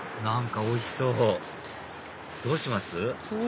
何かおいしそうどうします？